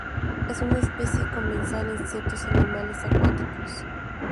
Es una especie comensal en ciertos animales acuáticos.